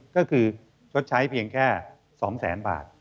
ก็คือชดใช้เพียงแค่๒แสนบาท